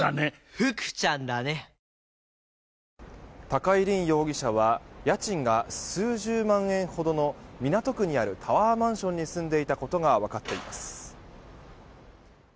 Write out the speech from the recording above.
高井凜容疑者は家賃が数十万円ほどの港区にあるタワーマンションに住んでいたことが分かっています。